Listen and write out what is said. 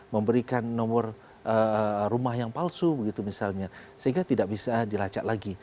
memberikan nomor rumah yang palsu begitu misalnya sehingga tidak bisa dilacak lagi